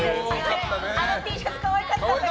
あのＴシャツ可愛かったね。